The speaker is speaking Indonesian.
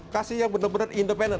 kasih yang benar benar independen